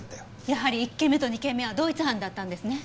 やはり１件目と２件目は同一犯だったんですね？